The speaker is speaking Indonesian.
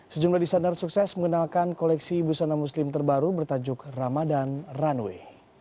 sejumlah desainer sukses mengenalkan koleksi busana muslim terbaru bertajuk ramadan runway